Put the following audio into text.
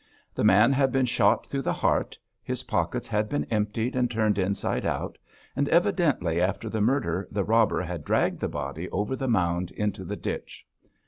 The man had been shot through the heart; his pockets had been emptied and turned inside out; and evidently after the murder the robber had dragged the body over the mound into the ditch.